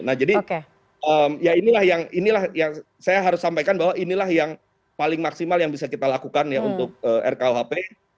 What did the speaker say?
nah jadi ya inilah yang saya harus sampaikan bahwa inilah yang paling maksimal yang bisa kita lakukan ya untuk rkuhp